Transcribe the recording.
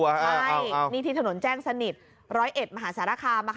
ใช่นี่ที่ถนนแจ้งสนิท๑๐๑มหาสารคาม